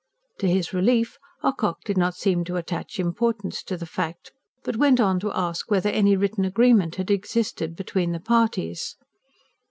To his relief Ocock did not seem to attach importance to the fact, but went on to ask whether any written agreement had existed between the parties.